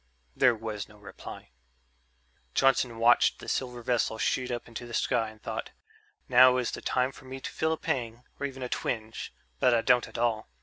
There was no reply. Johnson watched the silver vessel shoot up into the sky and thought, "Now is the time for me to feel a pang, or even a twinge, but I don't at all.